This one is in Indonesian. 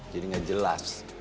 jadi gak jelas